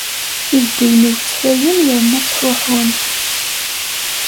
Ideddiyen-iw ttfayen yerna ttfuḥun.